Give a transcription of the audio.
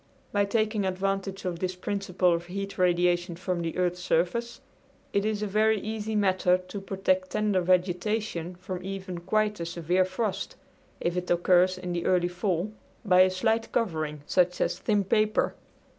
By taking advantage of this principle of heat radiation from the earth's surface it is a very easy matter to protect tender vegetation from even quite a severe frost, if it occurs in the early fall, by a slight covering, such as thin paper.